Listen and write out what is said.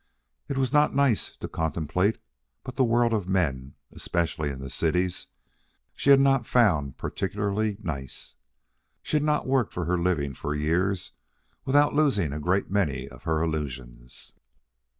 It was not nice to contemplate; but the world of men, especially in the cities, she had not found particularly nice. She had not worked for her living for years without losing a great many of her illusions.